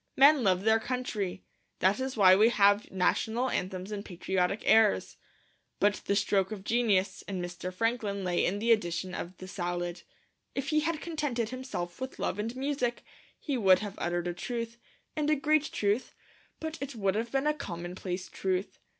Men love their country; that is why we have national anthems and patriotic airs. But the stroke of genius in Mr. Franklin lay in the addition of the Salad. If he had contented himself with Love and Music, he would have uttered a truth, and a great truth; but it would have been a commonplace truth.